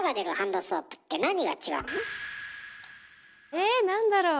え何だろう？